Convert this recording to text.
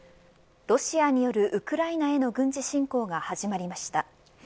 ロシアによるウクライナへの軍事侵攻が始まりました。